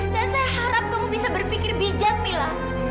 dan saya harap kamu bisa berpikir bijak kamila